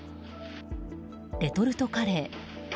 レトルトカレー